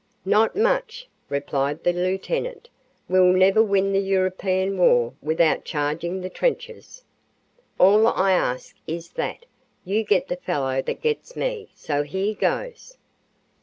"Not much!" replied the lieutenant. "We'll never win the European war without charging the trenches. All I ask is that you get the fellow that gets me. So here goes."